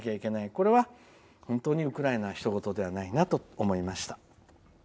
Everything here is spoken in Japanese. これは本当にウクライナはひと事ではないなと思いました。